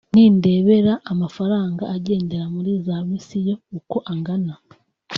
nti ndebera amafaranga agenda muri za misiyo uko angana